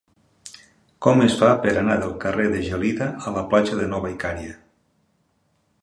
Com es fa per anar del carrer de Gelida a la platja de la Nova Icària?